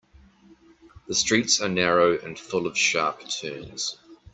The streets are narrow and full of sharp turns.